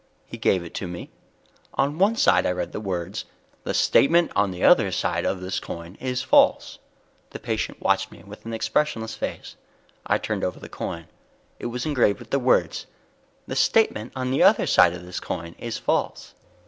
He gave it to me. On one side I read the words: THE STATEMENT ON THE OTHER SIDE OF THIS COIN IS FALSE. The patient watched me with an expressionless face; I turned over the coin. It was engraved with the words: THE STATEMENT ON THE OTHER SIDE OF THIS COIN IS FALSE.